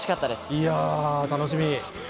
いやぁ、楽しみ。